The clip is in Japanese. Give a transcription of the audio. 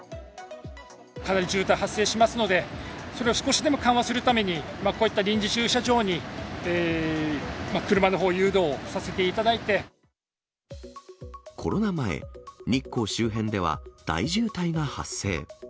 かなり渋滞発生しますので、それを少しでも緩和するために、こういった臨時駐車場に、車のほう、コロナ前、日光周辺では大渋滞が発生。